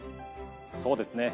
そうですね。